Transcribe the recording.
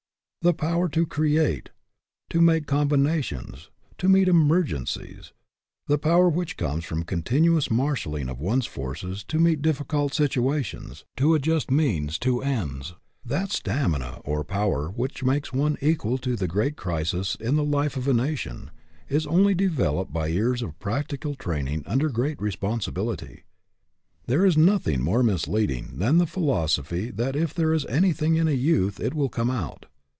The power to create, to make combinations, to meet emergencies, the power which comes from continuous marshaling of one's forces to meet difficult situations, to ad just means to ends, that stamina or power which makes one equal to the great crisis in the life of a nation, is only developed by years of practical training under great respon sibility. There is nothing more misleading than the philosophy that if there is anything in a youth it will come out.